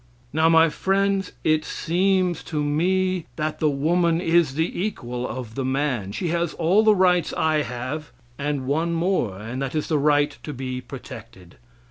Now, my friends, it seems to me that the woman is the equal of the man. She has all the rights I have, and one more, and that is the right to be protected.